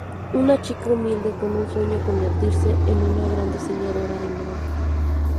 Una chica humilde con un sueño: convertirse en una gran diseñadora de moda.